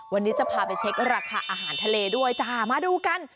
วันนี้จะพาไปเช็คราคาอาหารทะเลด้วยจ้ามาดูกัน